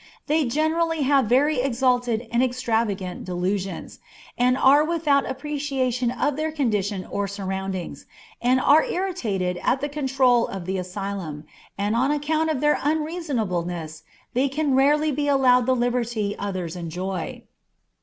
They generally have very exalted and extravagant delusions, and are without appreciation of their condition or surroundings, and are irritated at the control of the asylum, and on account of their unreasonableness they can rarely be allowed the liberty others enjoy.